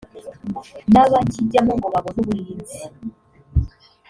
n’abakijyamo ngo babone uburinzi